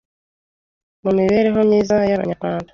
mu mibereho myiza y’Abanyarwanda